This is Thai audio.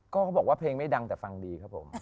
ก็เขาบอกว่าเพลงไม่ดังแต่ฟังดีครับผม